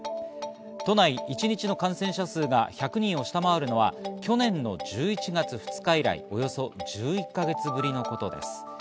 都内一日の感染者数が１００人を下回るのは去年の１１月２日以来、およそ１１か月ぶりのことです。